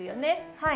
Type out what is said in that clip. はい。